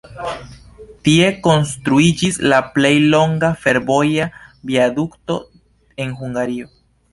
Tie konstruiĝis la plej longa fervoja viadukto en Hungario.